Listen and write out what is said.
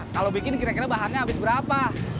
kalo bikin kira kira bahannya abis berapa